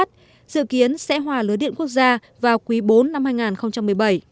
dự kiến sẽ hòa lưới điện quốc gia vào quý bốn năm hai nghìn một mươi bảy